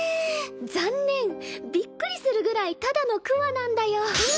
残念。びっくりするぐらいただの鍬なんだよ。